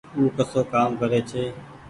او ڪسو ڪآم ڪرري ڇي